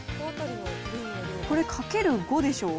これ、かける５でしょ。